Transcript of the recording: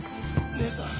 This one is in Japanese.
義姉さん。